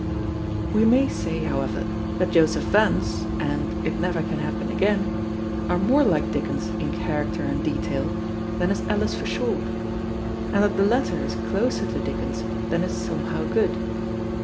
We may say, however, that Joseph Vance and It Never Can Happen Again are more like Dickens in character and in detail than is Alice for Short; and that the latter is closer to Dickens than is Somehow Good.